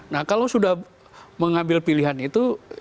nah kalau sudah mengambil pilihan itu